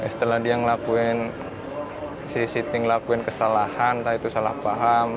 setelah dia ngelakuin si city ngelakuin kesalahan entah itu salah paham